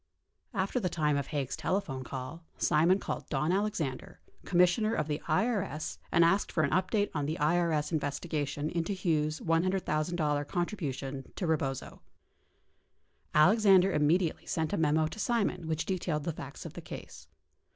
After the time of Haig's telephone call, Simon called Don Alexander, Com missioner of the IES and asked for an update on the IES investiga tion into the Hughes $100,000 contribution to Eebozo. Alexander im mediately sent a memo to Simon which detailed the facts of the case.